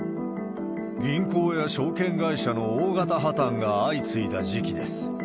銀行や証券会社の大型破綻が相次いだ時期です。